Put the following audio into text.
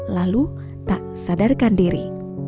lalu tak sadarkan diri